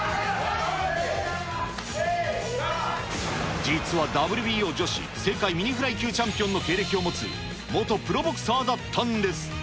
実はＷＢＯ女子世界ミニフライ級チャンピオンの経歴を持つ、元プロボクサーだったんです。